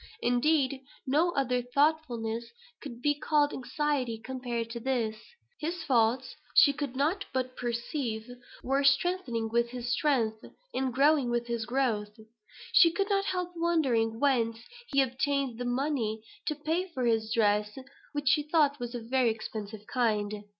Indeed, no other thoughtfulness could be called anxiety compared to this. His faults, she could not but perceive, were strengthening with his strength, and growing with his growth. She could not help wondering whence he obtained the money to pay for his dress, which she thought was of a very expensive kind.